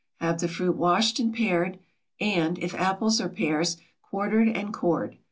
Have the fruit washed and pared, and, if apples or pears, quartered and cored.